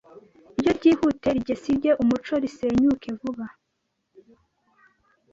iyo ryihute rigesige umuco risenyuke vube.